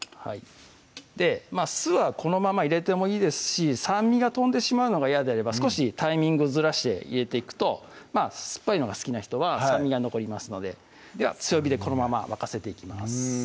酢はこのまま入れてもいいですし酸味が飛んでしまうのが嫌であれば少しタイミングをずらして入れていくと酸っぱいのが好きな人は酸味が残りますのででは強火でこのまま沸かせていきます